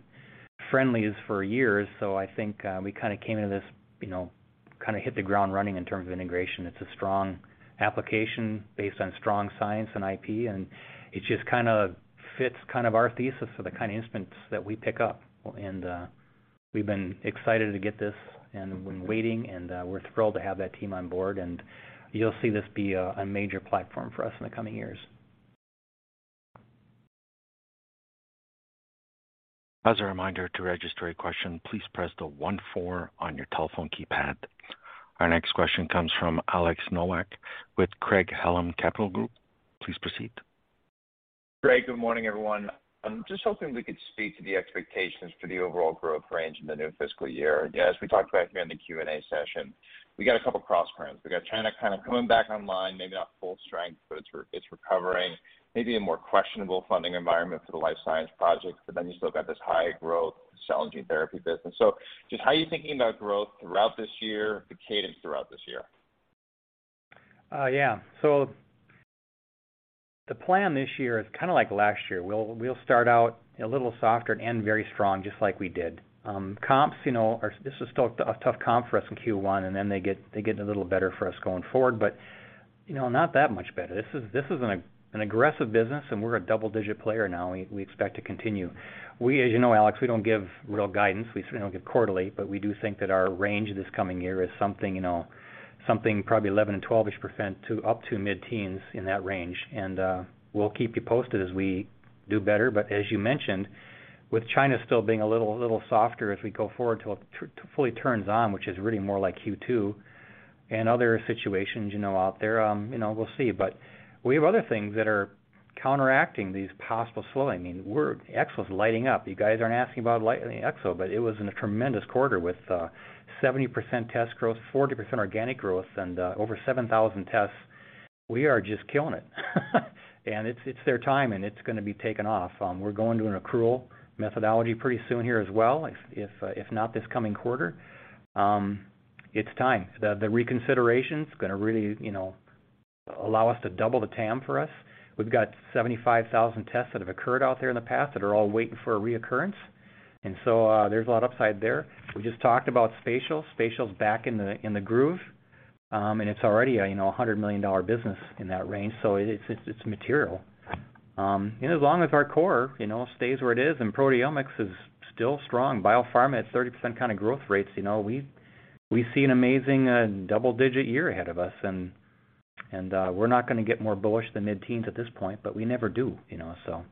friends for years, so I think we kind of came into this, you know, kind of hit the ground running in terms of integration. It's a strong application based on strong science and IP, and it just kind of fits kind of our thesis for the kind of instruments that we pick up. We've been excited to get this and waiting, and we're thrilled to have that team on board, and you'll see this be a major platform for us in the coming years. As a reminder to register a question, please press the one four on your telephone keypad. Our next question comes from Alex Nowak with Craig-Hallum Capital Group. Please proceed. Great. Good morning, everyone. I'm just hoping we could speak to the expectations for the overall growth range in the new fiscal year. As we talked about here in the Q&A session, we got a couple cross currents. We got China kind of coming back online, maybe not full strength, but it's recovering. Maybe a more questionable funding environment for the life science projects, but then you still got this high growth cell and gene therapy business. Just how are you thinking about growth throughout this year, the cadence throughout this year? Yeah. The plan this year is kind of like last year. We'll start out a little softer and very strong, just like we did. Comps, you know, this is still a tough comp for us in Q1, and then they get a little better for us going forward. You know, not that much better. This is an aggressive business, and we're a double-digit player now, and we expect to continue. As you know, Alex, we don't give real guidance. We certainly don't give quarterly, but we do think that our range this coming year is something, you know, probably 11 and 12-ish% to up to mid-teens in that range. We'll keep you posted as we do better. As you mentioned with China still being a little softer as we go forward till it fully turns on, which is really more like Q2 and other situations, you know, out there, we'll see. We have other things that are counteracting these possible slowing. Exo is lighting up. You guys aren't asking about like in the Exo, but it was a tremendous quarter with 70% test growth, 40% organic growth, and over 7,000 tests. We are just killing it. It's their time, and it's gonna be taking off. We're going to an accrual methodology pretty soon here as well, if not this coming quarter. It's time. The reconsideration's gonna really, you know, allow us to double the TAM for us. We've got 75,000 tests that have occurred out there in the past that are all waiting for a reoccurrence. There's a lot upside there. We just talked about spatial. Spatial's back in the groove, and it's already, you know, a $100 million business in that range, so it's material. As long as our core, you know, stays where it is and proteomics is still strong, biopharma at 30% kind of growth rates, you know, we see an amazing double-digit year ahead of us. We're not gonna get more bullish than mid-teens at this point, but we never do, you know, so.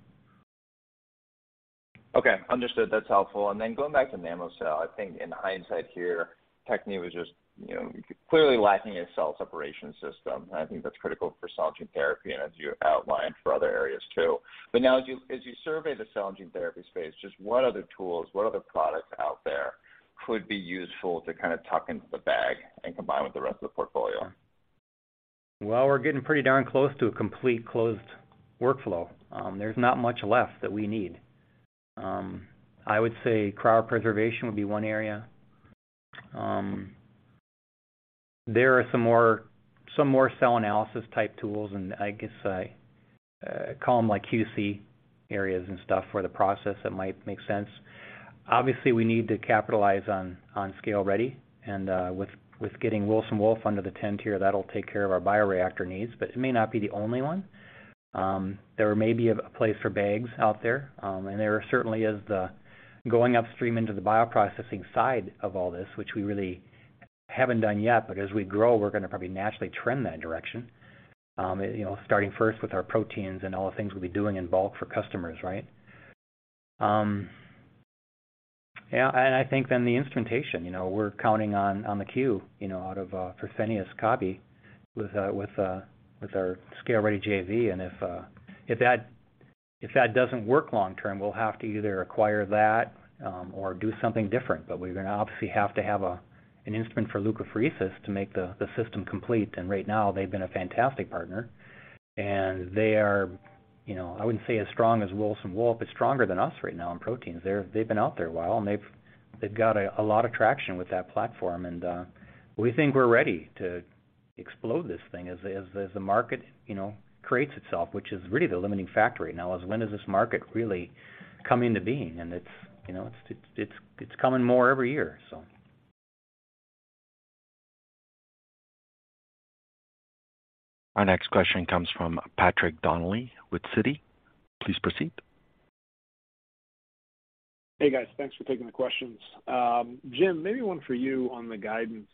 Okay. Understood. That's helpful. Going back to Namocell, I think in hindsight here, Bio-Techne was just, you know, clearly lacking a cell separation system. I think that's critical for cell and gene therapy and as you outlined for other areas too. Now as you, as you survey the cell and gene therapy space, just what other tools, what other products out there could be useful to kind of tuck into the bag and combine with the rest of the portfolio? Well, we're getting pretty darn close to a complete closed workflow. There's not much left that we need. I would say cryopreservation would be one area. There are some more cell analysis type tools, and I guess I call them like QC areas and stuff for the process that might make sense. Obviously, we need to capitalize on ScaleReady and with getting Wilson Wolf under the tent here, that'll take care of our bioreactor needs, but it may not be the only one. There may be a place for bags out there, and there certainly is the going upstream into the bioprocessing side of all this, which we really haven't done yet, but as we grow, we're gonna probably naturally trend that direction, you know, starting first with our proteins and all the things we'll be doing in bulk for customers, right? Yeah, and I think then the instrumentation, you know, we're counting on the queue, you know, out of for Phenix Cabe with our ScaleReady JV. If that doesn't work long term, we'll have to either acquire that or do something different. We're gonna obviously have to have an instrument for leukapheresis to make the system complete. Right now, they've been a fantastic partner, and they are, I wouldn't say as strong as Wilson Wolf, but stronger than us right now in proteins. They've been out there a while, and they've got a lot of traction with that platform. We think we're ready to explode this thing as the market creates itself, which is really the limiting factor right now, is when does this market really come into being? It's coming more every year, so. Our next question comes from Patrick Donnelly with Citi. Please proceed. Hey, guys. Thanks for taking the questions. Jim, maybe one for you on the guidance.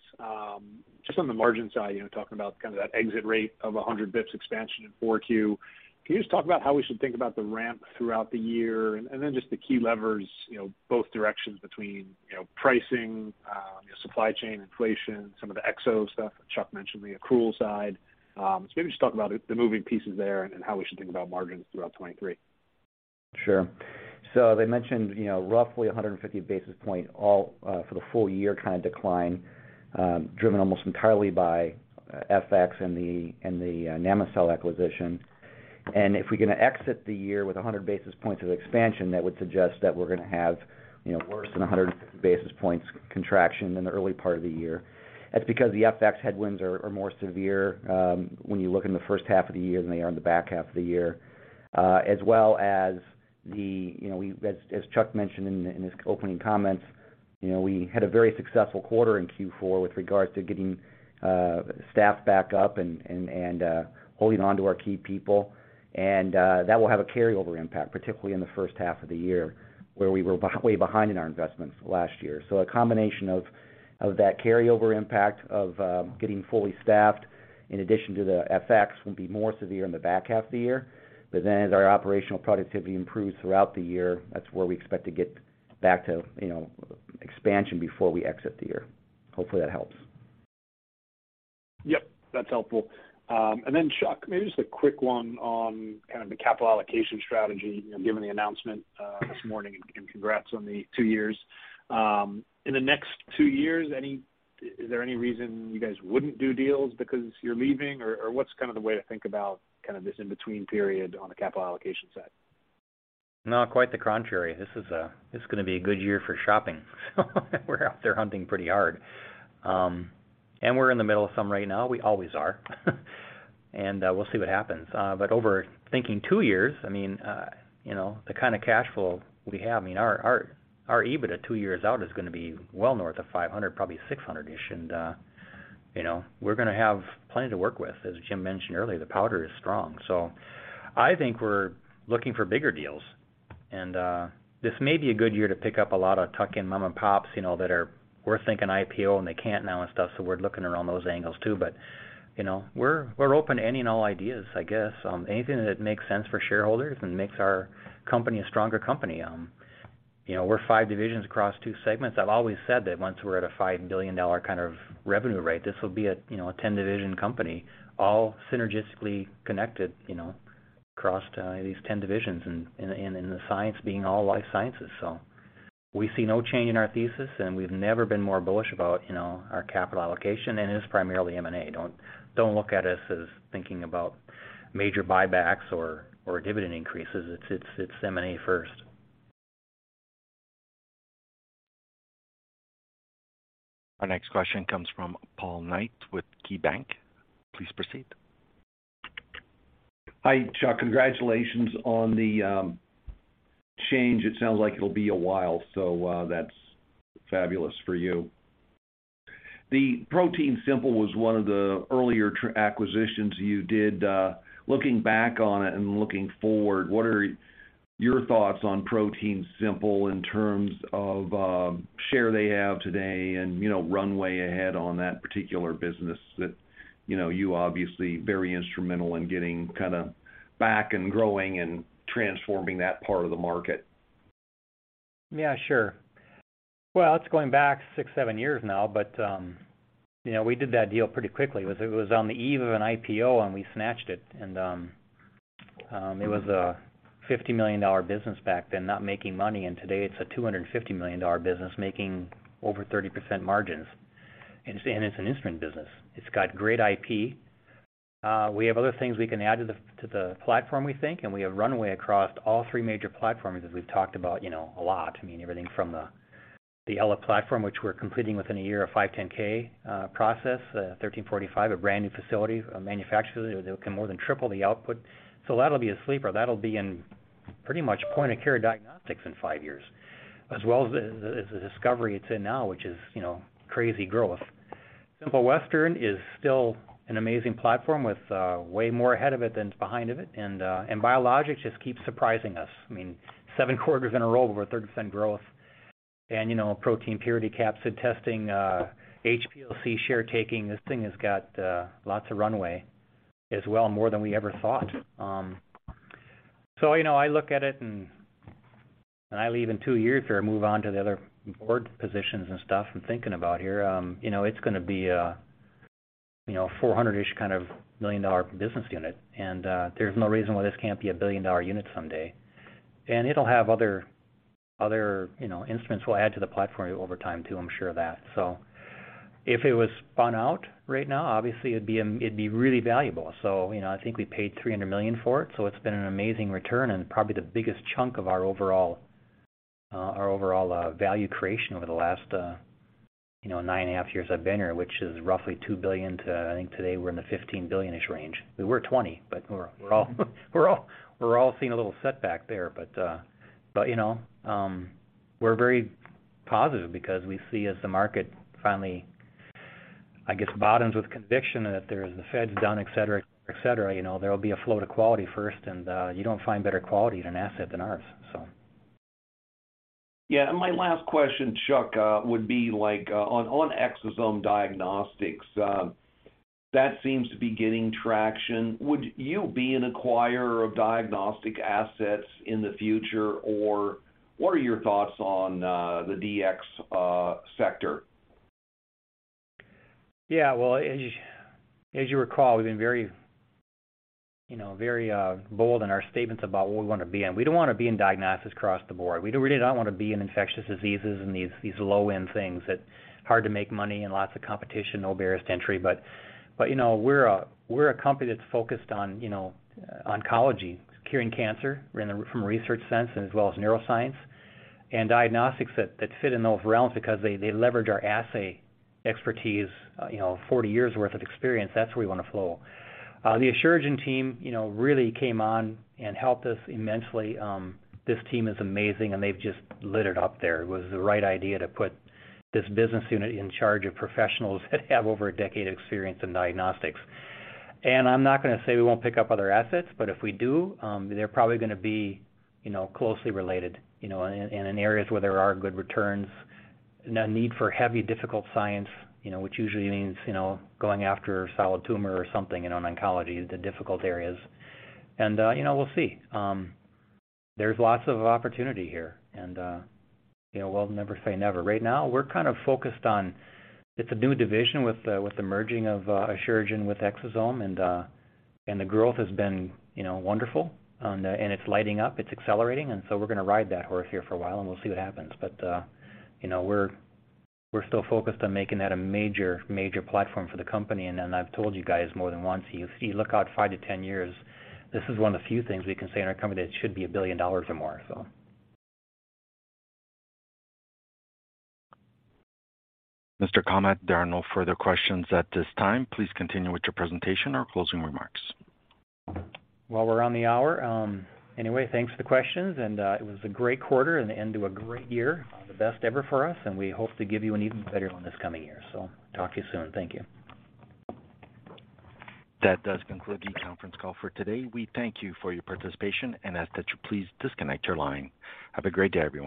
Just on the margin side, you know, talking about kind of that exit rate of 100 basis points expansion in 4Q, can you just talk about how we should think about the ramp throughout the year? And then just the key levers, you know, both directions between, you know, pricing, you know, supply chain inflation, some of the Exo stuff that Chuck mentioned, the accrual side. So maybe just talk about the moving pieces there and how we should think about margins throughout 2023. Sure. They mentioned, you know, roughly 150 basis points all for the full year kind of decline, driven almost entirely by FX and the Namocell acquisition. If we're gonna exit the year with 100 basis points of expansion, that would suggest that we're gonna have, you know, worse than 100 basis points contraction in the early part of the year. That's because the FX headwinds are more severe when you look in the first half of the year than they are in the back half of the year. As well as, you know, as Chuck mentioned in his opening comments, you know, we had a very successful quarter in Q4 with regards to getting staff back up and holding onto our key people. That will have a carryover impact, particularly in the first half of the year, where we were way behind in our investments last year. A combination of that carryover impact of getting fully staffed in addition to the FX will be more severe in the back half of the year. As our operational productivity improves throughout the year, that's where we expect to get back to, you know, expansion before we exit the year. Hopefully, that helps. Yep, that's helpful. Then Chuck, maybe just a quick one on kind of the capital allocation strategy, you know, given the announcement this morning, and congrats on the two years. In the next two years, is there any reason you guys wouldn't do deals because you're leaving? Or, what's kind of the way to think about kind of this in-between period on the capital allocation side? No, quite the contrary. This is gonna be a good year for shopping. We're out there hunting pretty hard. We're in the middle of some right now. We always are. We'll see what happens. Over the next two years, I mean, you know, the kind of cash flow we have, I mean, our EBITDA two years out is gonna be well north of $500, probably $600-ish. You know, we're gonna have plenty to work with. As Jim mentioned earlier, the dry powder is strong. I think we're looking for bigger deals. This may be a good year to pick up a lot of tuck-in mom-and-pop, you know, that were thinking IPO, and they can't now and stuff, so we're looking around those angles too. You know, we're open to any and all ideas, I guess. Anything that makes sense for shareholders and makes our company a stronger company. You know, we're five divisions across two segments. I've always said that once we're at a $5 billion kind of revenue rate, this will be a, you know, a ten-division company, all synergistically connected, you know, across these ten divisions and the science being all life sciences. We see no change in our thesis, and we've never been more bullish about, you know, our capital allocation, and it is primarily M&A. Don't look at us as thinking about major buybacks or dividend increases. It's M&A first. Our next question comes from Paul Knight with KeyBanc. Please proceed. Hi, Chuck. Congratulations on the change. It sounds like it'll be a while, so that's fabulous for you. The ProteinSimple was one of the earlier acquisitions you did. Looking back on it and looking forward, what are your thoughts on ProteinSimple in terms of share they have today and, you know, runway ahead on that particular business that, you know, you obviously very instrumental in getting kind of back and growing and transforming that part of the market. Yeah, sure. Well, it's going back 6-7 years now, but you know, we did that deal pretty quickly. It was on the eve of an IPO, and we snatched it and it was a $50 million business back then, not making money, and today it's a $250 million business making over 30% margins. It's an instrument business. It's got great IP. We have other things we can add to the platform, we think, and we have runway across all three major platforms, as we've talked about, you know, a lot. I mean, everything from the Ella platform, which we're completing within a year of 510(k) process, ISO 13485, a brand-new facility, a manufacturing facility that can more than triple the output. That'll be a sleeper. That'll be in pretty much point of care diagnostics in five years, as well as the discovery it's in now, which is, you know, crazy growth. Simple Western is still an amazing platform with way more ahead of it than it's behind of it. Biologics just keep surprising us. I mean, seven quarters in a row, over 30% growth. You know, protein purity, capsid testing, HPLC share taking. This thing has got lots of runway as well, more than we ever thought. You know, I look at it and when I leave in two years here, I move on to the other board positions and stuff I'm thinking about here, you know, it's gonna be a $400-ish million business unit. There's no reason why this can't be a billion-dollar unit someday. It'll have other, you know, instruments we'll add to the platform over time too, I'm sure of that. If it was spun out right now, obviously it'd be really valuable. You know, I think we paid $300 million for it, so it's been an amazing return and probably the biggest chunk of our overall value creation over the last, you know, 9.5 years I've been here, which is roughly $2 billion to I think today we're in the $15 billion-ish range. We were $20 billion, but we're all seeing a little setback there. you know, we're very positive because we see as the market finally, I guess, bottoms with conviction that there's the Fed's done, et cetera, et cetera, you know, there'll be a flow to quality first, and you don't find better quality in an asset than ours. Yeah. My last question, Chuck, would be like on Exosome Diagnostics that seems to be getting traction. Would you be an acquirer of diagnostic assets in the future? Or what are your thoughts on the DX sector? Yeah. Well, as you recall, we've been very, you know, very bold in our statements about what we wanna be in. We don't wanna be in diagnostics across the board. We really don't wanna be in infectious diseases and these low-end things that are hard to make money and lots of competition, no barriers to entry. You know, we're a company that's focused on, you know, oncology, curing cancer. We're in it from a research sense, as well as neuroscience and diagnostics that fit in those realms because they leverage our assay expertise, you know, 40 years' worth of experience. That's where we wanna go. The Asuragen team, you know, really came on and helped us immensely. This team is amazing, and they've just lit it up there. It was the right idea to put this business unit in charge of professionals that have over a decade of experience in diagnostics. I'm not gonna say we won't pick up other assets, but if we do, they're probably gonna be, you know, closely related, you know, in areas where there are good returns. No need for heavy, difficult science, you know, which usually means, you know, going after solid tumor or something, you know, in oncology, the difficult areas. You know, we'll see. There's lots of opportunity here and, you know, we'll never say never. Right now we're kind of focused on, it's a new division with the merging of Asuragen with Exosome and the growth has been, you know, wonderful. It's lighting up, it's accelerating, and so we're gonna ride that horse here for a while and we'll see what happens. But you know, we're still focused on making that a major platform for the company. I've told you guys more than once, you look out 5-10 years, this is one of the few things we can say in our company that should be $1 billion or more. Mr. Kummeth, there are no further questions at this time. Please continue with your presentation or closing remarks. Well, we're on the hour. Anyway, thanks for the questions, and it was a great quarter and the end to a great year. The best ever for us, and we hope to give you an even better one this coming year. Talk to you soon. Thank you. That does conclude the conference call for today. We thank you for your participation and ask that you please disconnect your line. Have a great day, everyone.